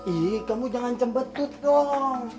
ih kamu jangan jembetut dong